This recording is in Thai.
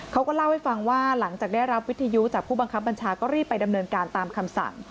เขาก็เล่าให้ฟังว่าหลังจากได้รับวิทยุจากผู้บังคับบัญชาก็รีบไปดำเนินการตามคำสั่ง